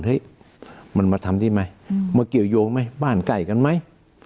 เฮ้ยมันมาทำได้ไหมมาเกี่ยวยงไหมบ้านใกล้กันไหม